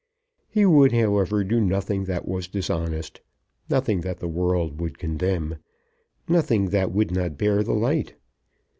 He would, however, do nothing that was dishonest, nothing that the world would condemn, nothing that would not bear the light.